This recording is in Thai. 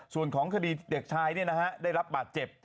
ส่วนของคดีเด็กชายได้รับบาดเจ็บ